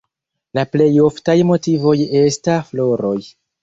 La plej oftaj motivoj esta floroj.